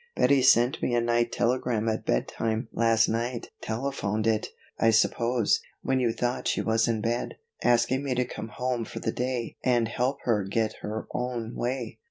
Betty sent me a night telegram at bedtime last night (telephoned it, I suppose, when you thought she was in bed) asking me to come home for the day and help her get her own way.